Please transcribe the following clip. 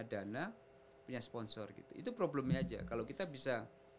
dana punya sponsor gitu itu problemnya aja kalau kita bisa